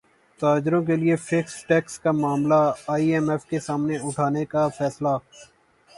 تاجروں کیلئے fixed tax کا معاملہ ائی ایم ایف کے سامنے اٹھانے کا فیصلہ